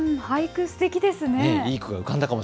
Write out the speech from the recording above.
俳句、すてきですね。